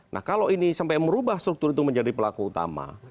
nah kalau ini sampai merubah struktur itu menjadi pelaku utama